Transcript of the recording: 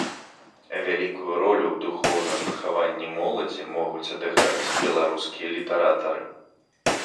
Вялікую ролю ў духоўным выхаванні моладзі могуць адыграць беларускія літаратары.